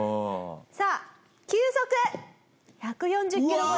さあ球速１４０キロ超えです。